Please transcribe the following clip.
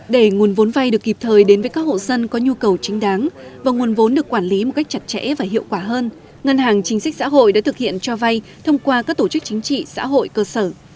để nguồn vốn vay được kịp thời đến với các hộ dân có nhu cầu chính đáng và nguồn vốn được quản lý một cách chặt chẽ và hiệu quả hơn ngân hàng chính sách xã hội đã thực hiện cho vay thông qua các tổ chức chính trị xã hội cơ sở